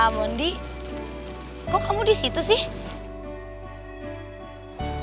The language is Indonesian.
mondi kok kamu disitu sih